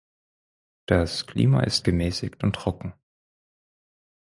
Das Klima ist gemäßigt und trocken.